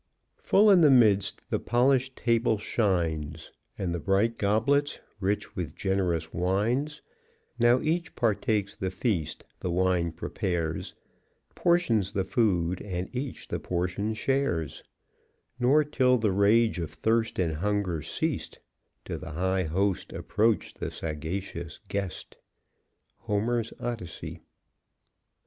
Full in the midst the polish'd table shines, And the bright goblets, rich with generous wines; Now each partakes the feast, the wine prepares, Portions the food, and each the portion shares; Nor till the rage of thirst and hunger ceased To the high host approached the sagacious guest. _Homer's Odyssey.